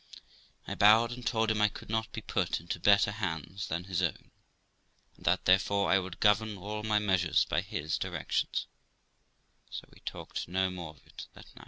I bowed, and told him I could not be put into better hands than his own, and that, therefore, I would govern all my measures by his directions ; so we talked no more of it that night.